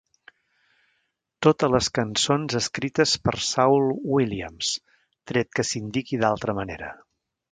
Totes les cançons escrites per Saul Williams, tret que s'indiqui d'altra manera.